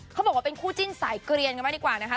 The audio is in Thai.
เขาบอกว่าเป็นคู่จิ้นสายเกลียนกันมากดีกว่านะคะ